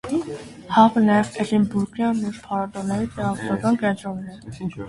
Հաբը նաև էդինբուրգյան մյուս փառատոների տեղեկատվական կենտրոնն է։